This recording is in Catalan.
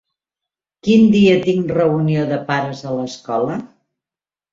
Quin dia tinc reunió de pares a l'escola?